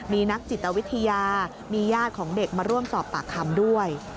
มีนักจิตวิทยามีญาติของเด็กมาร่วมสอบปากคำด้วย